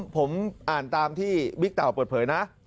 ผมอ่านตามที่บิ๊กเต่าเปิดเผยนะ